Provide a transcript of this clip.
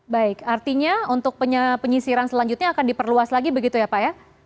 baik artinya untuk penyisiran selanjutnya akan diperluas lagi begitu ya pak ya